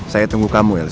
saya tunggu kamu elsa